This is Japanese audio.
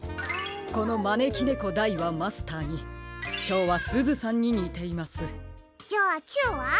このまねきねこ・大はマスターに小はすずさんににています。じゃあ中は？